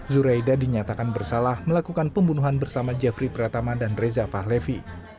zuraida dinyatakan bersalah melakukan pembunuhan bersama jeffrey pratama dan reza fahlevi